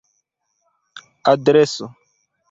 adreso